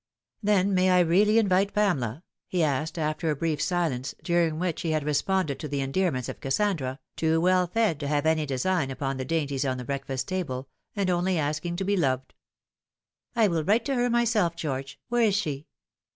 " Then may I really invite Pamela ?" he asked, after a brief silence, during which he had responded to the endearments of Kassandra, too well fed to have any design upon the dainties on the breakfast table, and only asking to be loved. " I will write to her myself, George. Where is she